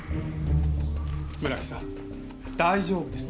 村木さん大丈夫です。